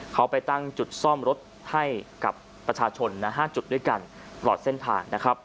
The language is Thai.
เค้าไปตั้งจุดซ่อมรถให้ให้กับประชาชน๕จุดด้วยกัน